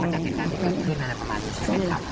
จากเหตุการณ์ที่เกิดขึ้นอะไรประมาณนี้ใช่ไหมครับ